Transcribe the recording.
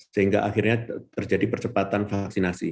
sehingga akhirnya terjadi percepatan vaksinasi